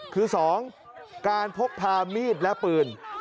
คือ๒การพกพามีดและปืน